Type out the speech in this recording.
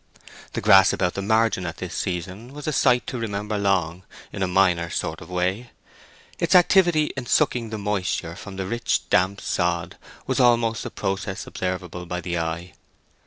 The grass about the margin at this season was a sight to remember long—in a minor sort of way. Its activity in sucking the moisture from the rich damp sod was almost a process observable by the eye.